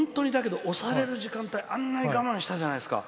押される時間帯あんなに我慢したじゃないですか。